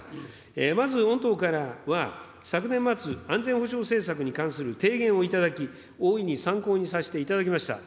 まず、御党からは、昨年末、安全保障政策に関する提言を頂き、大いに参考にさせていただきました。